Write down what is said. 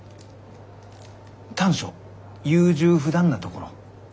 「短所優柔不断なところ」。